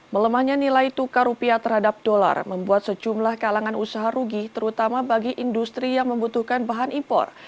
melemahnya nilai tukar rupiah terhadap dolar membuat sejumlah kalangan usaha rugi terutama bagi industri yang membutuhkan bahan impor